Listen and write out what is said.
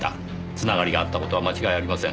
繋がりがあった事は間違いありません。